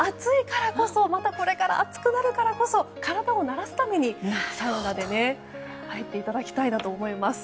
また、これから暑くなるからこそ体を慣らすためにサウナに入っていただきたいと思います。